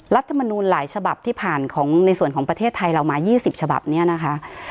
รัฐมนูลหลายฉบับที่ผ่านของในส่วนของประเทศไทยเรามา๒๐ฉบับนี้นะคะ